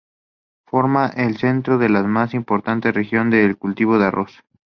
Forma el centro de la más importante región de cultivo de arroz.